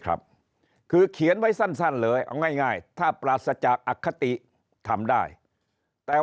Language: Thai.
ครับคือเขียนไว้สั้นเลยเอาง่ายถ้าปราศจากอคติทำได้แต่